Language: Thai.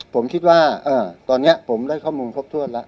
ผมคิดว่าตอนนี้ผมได้ข้อมูลครบถ้วนแล้ว